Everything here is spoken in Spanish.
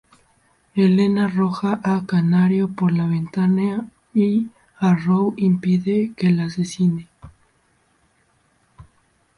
Helena arroja a "Canario" por la ventana y "Arrow" impide que la asesine.